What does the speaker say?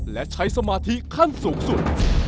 และใช้สมาธิขั้นสูงสุด